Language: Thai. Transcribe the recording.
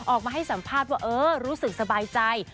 ออกมาให้สัมภาษณ์ว่าเออรู้สึกสบายใจ